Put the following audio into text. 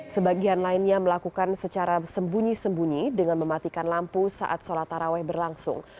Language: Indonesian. sebagian lainnya melakukan secara sembunyi sembunyi dengan mematikan lampu saat sholat taraweh berlangsung